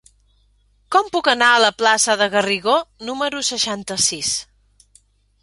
Com puc anar a la plaça de Garrigó número seixanta-sis?